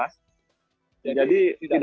jadi tidak pernah sepi